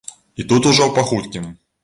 І тут ужо па хуткім.